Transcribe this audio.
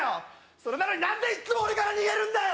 それなのに何でいっつも俺から逃げるんだよ！